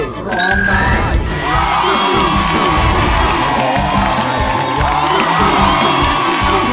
ร้องได้เวลา